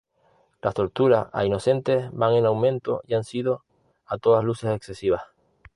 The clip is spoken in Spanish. Las torturas a inocentes van en aumento y han sido a todas luces excesivas.